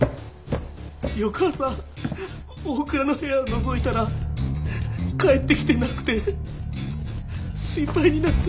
翌朝大倉の部屋をのぞいたら帰ってきてなくて心配になって。